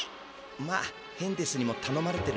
まっヘンデスにもたのまれてることだしな。